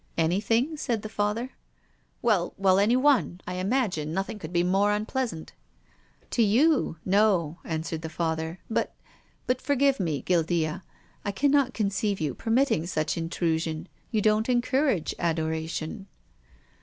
" Anything ?" said the Father. " Well — well, anyone. I imagine nothing could be more unpleasant." " To you — no," answered the Father. " But — forgive me, Guildea, I cannot conceive you per mitting such intrusion. You don't encourage adoration."